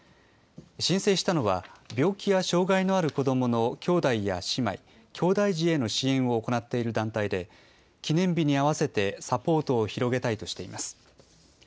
申請したのは、病気や障害のある子どもの兄弟や姉妹・きょうだい児への支援を行っている団体で、記念日に合わせてサポートを広げたいとしています。